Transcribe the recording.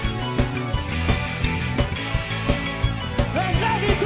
「ラヴィット！」